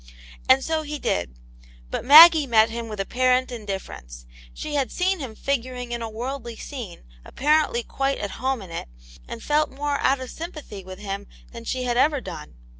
And so he did. But Maggie met him with apparent indifference. She had seen him figuring in a worldly scene, apparently quite at home in it, and felt more out of sympathy with him than she had ever done.